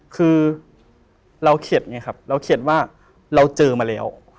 คือเราเข็ดไงครับเราเขียนว่าเราเจอมาแล้ว